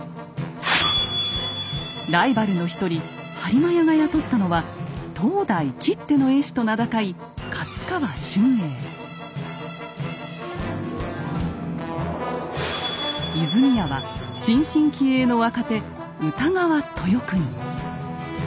ライバルの一人播磨屋が雇ったのは当代きっての絵師と名高い和泉屋は新進気鋭の若手